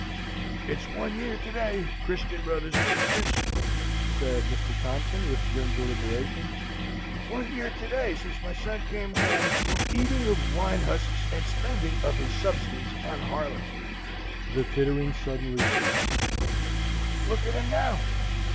"It's one year to day, Christian brothers and sisters," said Mr. Thompson, with grim deliberation, "one year to day since my son came home from eating of wine husks and spending of his substance on harlots." (The tittering suddenly ceased.) "Look at him now.